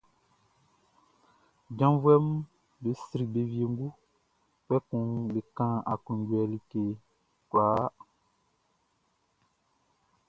Janvuɛʼm be sri be wiengu, kpɛkun be kan aklunjuɛ like kwlaa.